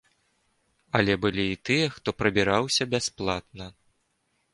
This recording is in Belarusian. Але былі і тыя, хто прабіраўся бясплатна.